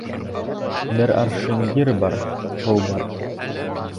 Бер аршин ер бар, һыу бар.